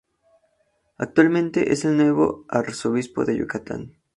Actualmente es el nuevo Arzobispo de Yucatán.